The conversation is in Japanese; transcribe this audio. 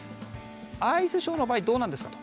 アイスショーの場合どうなんですかと。